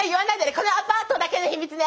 このアパートだけの秘密ね。